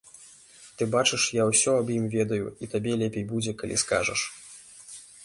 Ты бачыш, я ўсё аб ім ведаю, і табе лепей будзе, калі скажаш.